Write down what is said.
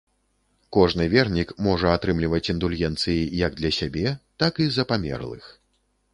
Кожны вернік можа атрымліваць індульгенцыі як для сябе, так і за памерлых.